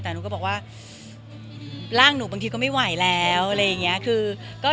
แต่หนูก็บอกว่าร่างหนูบางทีก็ไม่ไหวแล้วอะไรอย่างนี้